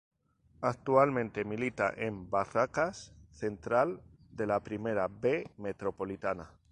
Actualmente milita en Barracas Central de la Primera B Metropolitana.